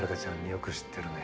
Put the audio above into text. よく知ってるね。